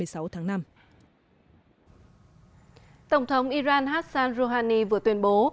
tổng thống iran hassan rouhani vừa tuyên bố